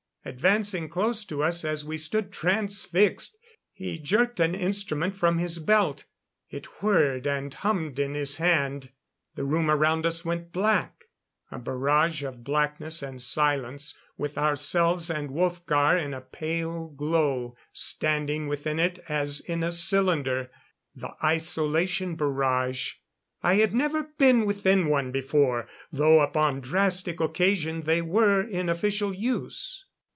Advancing close to us as we stood transfixed, he jerked an instrument from his belt. It whirred and hummed in his hand. The room around us went black a barrage of blackness and silence, with ourselves and Wolfgar in a pale glow standing within it as in a cylinder. The isolation barrage. I had never been within one before, though upon drastic occasion they were in official use.